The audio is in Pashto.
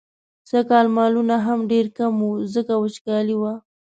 سږکال مالونه هم ډېر کم وو، ځکه وچکالي وه.